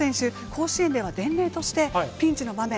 甲子園では伝令としてピンチの場面